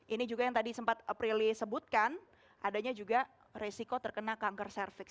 ini juga yang tadi sempat aprili sebutkan adanya juga resiko terkena kanker cervix